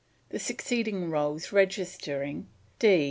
The succeeding rolls registering "D.